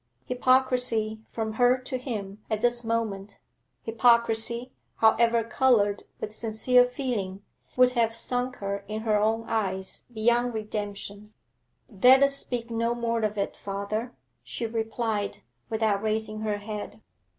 Hypocrisy from her to him at this moment hypocrisy, however coloured with sincere feeling, would have sunk her in her own eyes beyond redemption. 'Let us speak no more of it, father,' she replied without raising her head.